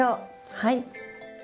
はい。